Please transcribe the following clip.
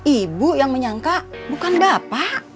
ibu yang menyangka bukan bapak